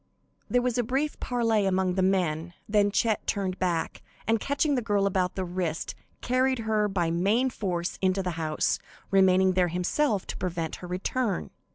There was a brief parley among the men, then Chet turned back, and, catching the girl about the wrist, carried her by main force into the house, remaining there himself to prevent her return.